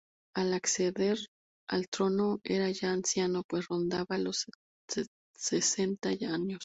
Al acceder al trono era ya anciano, pues rondaba los sesenta años.